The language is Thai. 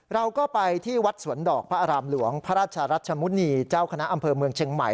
เราก็ไปที่วัดสวนดอกพระอารามหลวงพระราชรัชมุณีเจ้าคณะอำเภอเมืองเชียงใหม่